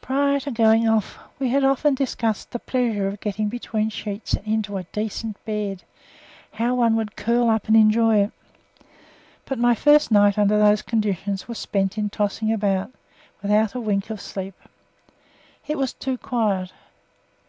Prior to going off we had often discussed the pleasure of getting between sheets and into a decent bed how one would curl up and enjoy it. But my first night under those conditions was spent in tossing about, without a wink of sleep. It was too quiet.